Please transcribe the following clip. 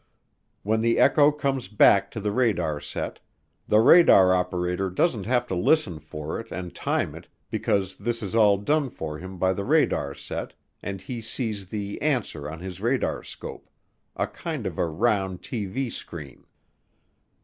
When the echo comes back to the radar set, the radar operator doesn't have to listen for it and time it because this is all done for him by the radar set and he sees the "answer" on his radarscope a kind of a round TV screen.